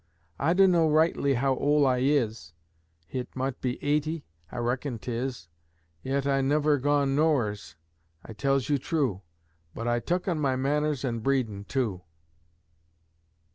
I dunno rightly how ol' I is, Hit mought be eighty, I reckon 'tis, Yit I nuver gone now'ers, I tells you true, But I tucken my manners an' breedin', too.